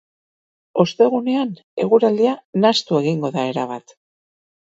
Ostegunean, eguraldia nahastu egingo da erabat.